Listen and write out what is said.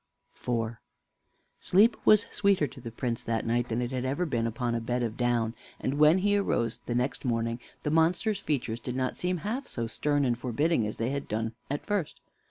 IV Sleep was sweeter to the Prince that night than it had ever been upon a bed of down, and when he rose the next morning the monster's features did not seem half so stern and forbidding as they had done at first.